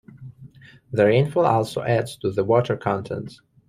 The rainfall also adds to the water content.